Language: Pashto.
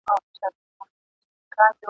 خاوري رانجه کړم